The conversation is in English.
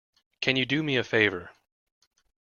Can you do me a favor?